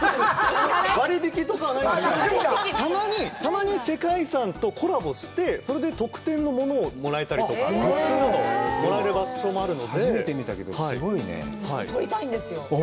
割り引きとかはないんですけどでもたまにたまに世界遺産とコラボしてそれで特典のものをもらえたりとかグッズなどもらえる場所もあるので初めて見たけどすごいね取りたいんですよ